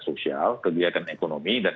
sosial kegiatan ekonomi dan